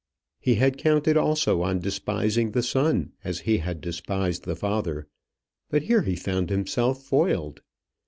He had counted also on despising the son as he had despised the father; but here he found himself foiled.